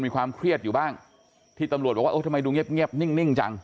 มีความเครียดอยู่บ้างที่ตำรวจบอกว่าเออทำไมดูเงียบนิ่งจัง